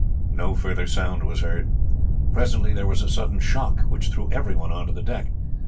No further sound was heard. Presently there was a sudden shock which threw everyone on to the deck.